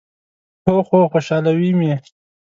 هو، خو خوشحالوي می